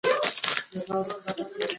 موږ ډلې او طبقې تر څېړنې لاندې نیسو.